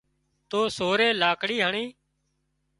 تو سورئي لاڪڙي هڻي